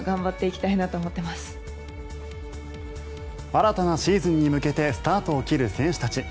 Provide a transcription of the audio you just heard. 新たなシーズンに向けてスタートを切る選手たち。